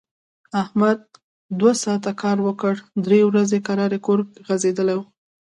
احمد دوه ساعت کار وکړ، درې ورځي کرار کور غځېدلی و.